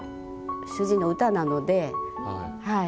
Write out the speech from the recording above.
主人の歌なので。